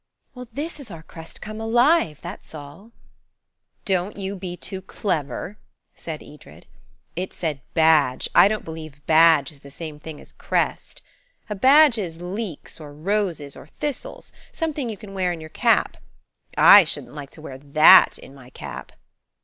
"Well, this is our crest come alive, that's all." "Don't you be too clever," said Edred. "It said badge; I don't believe badge is the same thing as crest. A badge is leeks, or roses, or thistles–something you can wear in your cap. I shouldn't like to wear that in my cap."